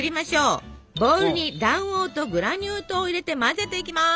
ボウルに卵黄とグラニュー糖を入れて混ぜていきます。